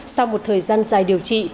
sau một thời gian dài điều trị